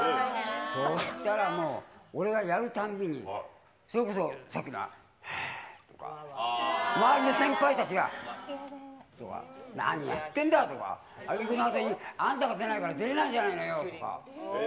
そしたらもう、俺がやるたんびにそれこそ、さっきの、はーとか、周りの先輩たちが、とか、何やってんだとか、挙句の果てにあんたが出ないから、出れないじゃないのよとか。